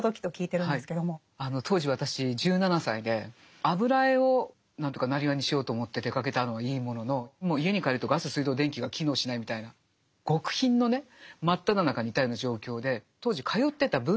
当時私１７歳で油絵を生業にしようと思って出かけたのはいいもののもう家に帰るとガス水道電気が機能しないみたいな極貧のね真っただ中にいたような状況で。